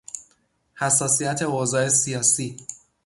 حساسیت اوضاع سیاسی